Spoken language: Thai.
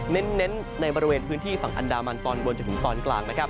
เน้นในบริเวณพื้นที่ฝั่งอันดามันตอนบนจนถึงตอนกลางนะครับ